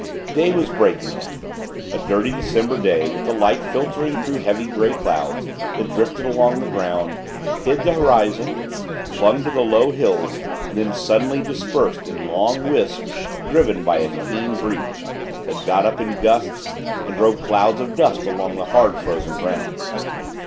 Day was breaking now: a dirty December day, with the light filtering through heavy grey clouds that drifted along the ground, hid the horizon, clung to the low hills, and then suddenly dispersed in long wisps driven by a keen breeze, that got up in gusts, and drove clouds of dust along the hard frozen ground.